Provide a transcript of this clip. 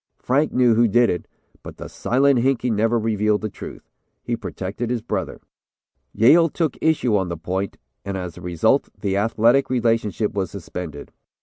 Frank knew who did it, but the 'Silent Hinkey' never revealed the real truth. He protected his brother. "Yale took issue on the point, and as a result the athletic relationship was suspended.